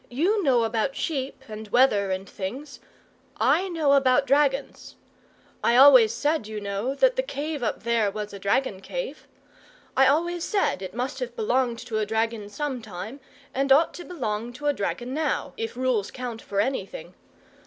YOU know about sheep, and weather, and things; I know about dragons. I always said, you know, that that cave up there was a dragon cave. I always said it must have belonged to a dragon some time, and ought to belong to a dragon now, if rules count for anything.